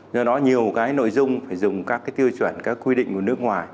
do đó nhiều nội dung phải dùng các tiêu chuẩn các quy định của nước ngoài